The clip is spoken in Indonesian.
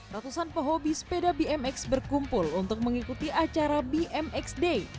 ratusan pehobi sepeda bmx berkumpul untuk mengikuti acara bmx day